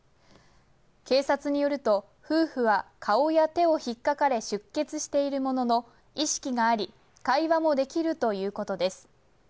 警察によると、夫婦は顔や手をひっかかれ出血しているものの意識があり会話もできるということです。